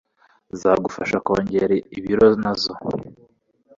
zagufasha kongera ibiro nazo